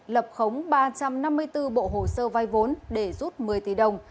lập khống ba trăm năm mươi bốn bộ hồ sơ vai vốn để rút một mươi tỷ đồng